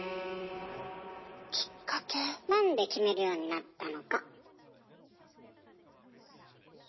なんで決めるようになったのか。